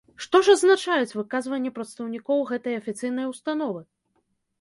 Што ж азначаюць выказванні прадстаўнікоў гэтай афіцыйнай установы?